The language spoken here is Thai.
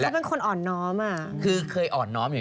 จริงเขาเป็นคนอ่อนน้อม